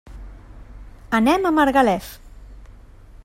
Anem a Margalef.